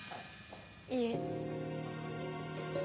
いえ。